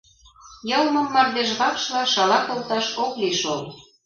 Йылмым мардежвакшла шала колташ ок лий шол.